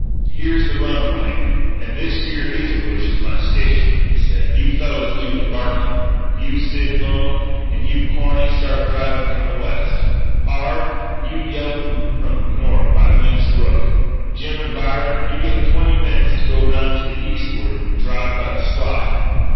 "Here's the runway and this here hazel bush is my station," he said. "You fellas do the barkin'. You, Sid Hone, and you, Corny, start drivin' from the west. Harve, you yelp 'em from the north by Lynx Brook. Jim and Byron, you get twenty minutes to go 'round to the eastward and drive by the Slide.